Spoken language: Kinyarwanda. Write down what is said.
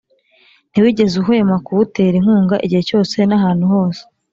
ntiwigeze uhwema kuwutera inkunga, igihe cyose n’ahantu hose.